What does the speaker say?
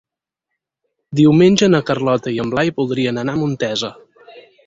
Diumenge na Carlota i en Blai voldrien anar a Montesa.